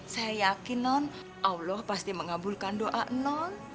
saya yakin non allah pasti mengabulkan doa non